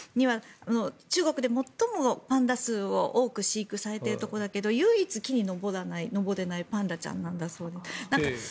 中国で最もパンダ数を多く飼育されているところだけ唯一、木に登らないパンダちゃんだそうです。